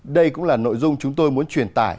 đây cũng là nội dung chúng tôi muốn truyền tải